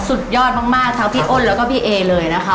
สุดยอดมากทั้งพี่อ้นแล้วก็พี่เอเลยนะคะ